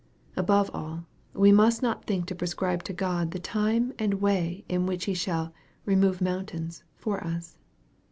Above all, we must not think to prescribe to God the time and way in which Ha shall " remove mountains" for us.